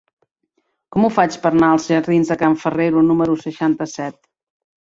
Com ho faig per anar als jardins de Can Ferrero número seixanta-set?